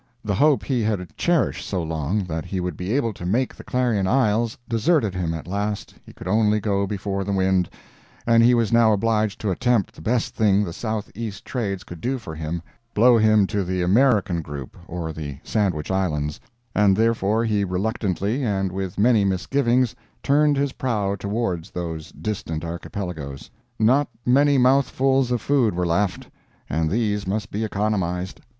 The hope he had cherished so long that he would be able to make the Clarion Isles deserted him at last he could only go before the wind, and he was now obliged to attempt the best thing the southeast trades could do for him—blow him to the "American group" or to the Sandwich Islands—and therefore he reluctantly and with many misgivings turned his prow towards those distant archipelagoes. Not many mouthfuls of food were left, and these must be economized.